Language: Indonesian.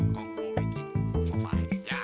kamu lagi biggest